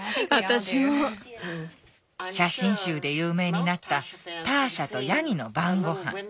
写真集で有名になったターシャとヤギの晩ごはん。